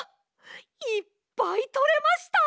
いっぱいとれました！